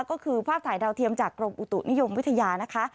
ก็คือภาพถ่ายดาวเทียมจากกรมอุตุนิยมวิทยานะคะ